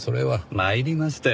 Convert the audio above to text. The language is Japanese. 参りましたよ